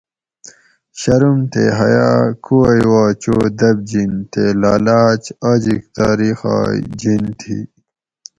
شروم تے حیا کُووئ وا چو دبجِن تے لالاۤچ آجیک تاۤریخائ جین تھی